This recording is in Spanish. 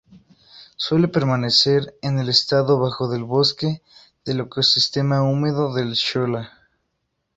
Suele permanecer en el estrato bajo del bosque del ecosistema húmedo del shola.